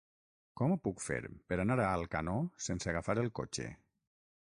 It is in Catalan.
Com ho puc fer per anar a Alcanó sense agafar el cotxe?